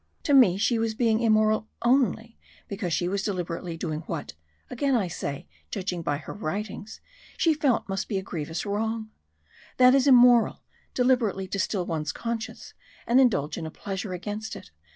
To me she was being immoral only because she was deliberately doing what , again I say, judging by her writings she felt must be a grievous wrong. That is immoral deliberately to still one's conscience and indulge in a pleasure against it.